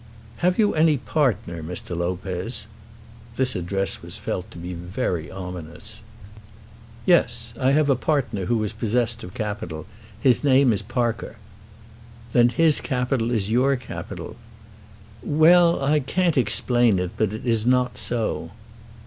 "Have you any partner, Mr. Lopez?" This address was felt to be very ominous. "Yes. I have a partner who is possessed of capital. His name is Parker." "Then his capital is your capital." "Well; I can't explain it, but it is not so."